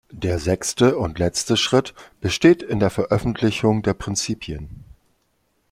Der sechste und letzte Schritt besteht in der Veröffentlichung der Prinzipien.